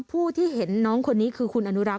ผู้ที่เห็นน้องคนนี้คือคุณอนุรักษ